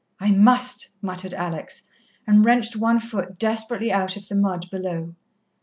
"I must," muttered Alex, and wrenched one foot desperately out of the mud below.